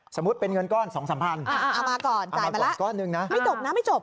สมมุติเป็นเงินก้อน๒๓พันเอามาก่อนจ่ายมาแล้วไม่จบนะไม่จบ